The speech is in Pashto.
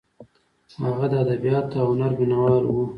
هغه د ادبیاتو او هنر مینه وال و.